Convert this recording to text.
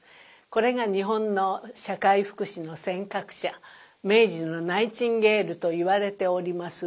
これが日本の社会福祉の先覚者「明治のナイチンゲール」といわれております